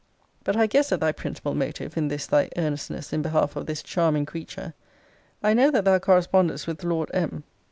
But I guess at thy principal motive in this thy earnestness in behalf of this charming creature. I know that thou correspondest with Lord M.